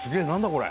これ。